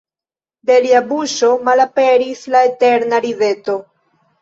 De lia buŝo malaperis la eterna rideto.